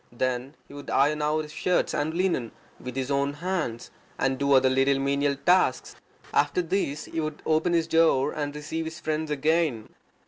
Then he would iron out his shirts and linen with his own hands, and do other little menial tasks. After this he would open his door and receive his friends again.